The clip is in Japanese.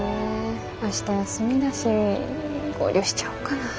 明日休みだし合流しちゃおっかなぁ。